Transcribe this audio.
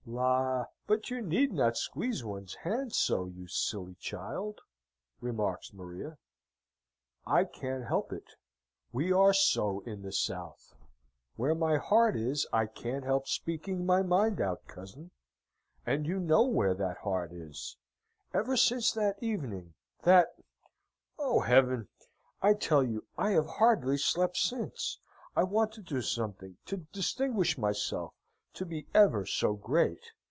"La! but you need not squeeze one's hand so, you silly child!" remarks Maria. "I can't help it we are so in the south. Where my heart is, I can't help speaking my mind out, cousin and you know where that heart is! Ever since that evening that O heaven! I tell you I have hardly slept since I want to do something to distinguish myself to be ever so great.